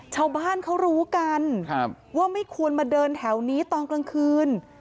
ชาวบ้านเขารู้กันว่าไม่ควรมาเดินแถวนี้ตอนกลางคืน